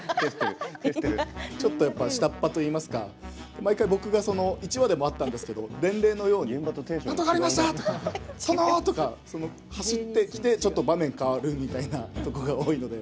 ちょっと下っ端といいますか毎回僕がその１話でもあったんですけど、伝令のように何とかありました！とか殿！とか走ってきて場面変わるみたいなのが多いので。